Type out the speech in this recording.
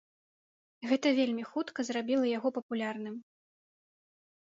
Гэта вельмі хутка зрабіла яго папулярным.